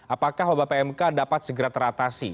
apakah wabah pmk dapat segera teratasi